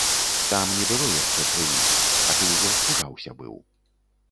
Там не было яшчэ крыві, а ты ўжо спужаўся быў.